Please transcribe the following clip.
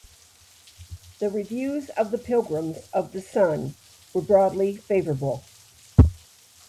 The reviews of "The Pilgrims of the Sun" were broadly favourable.